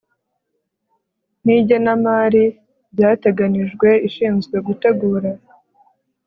n igenamari byateganijwe ishinzwe gutegura